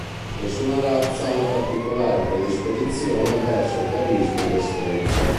Nessuna razza ha una particolare predisposizione verso carisma e destrezza.